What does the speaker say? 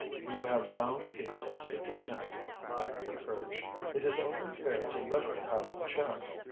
"You have found a substitute now," Agatha urged. "It is only fair to let her have a chance.